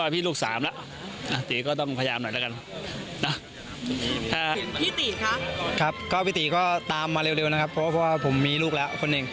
พี่ตีก็ตามมาเร็วนะครับเพราะว่าผมมีลูกแล้วคนหนึ่ง